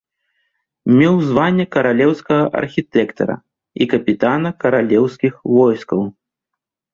Меў званне каралеўскага архітэктара і капітана каралеўскіх войскаў.